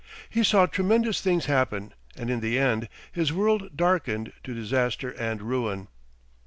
He saw tremendous things happen and in the end his world darkened to disaster and ruin.